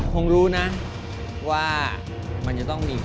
คงรู้นะว่ามันจะต้องมี